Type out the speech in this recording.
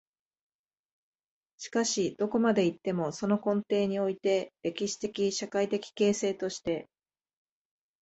しかしどこまで行っても、その根底において、歴史的・社会的形成として、